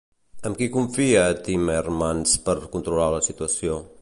Amb qui confia Timmermans per controlar la situació?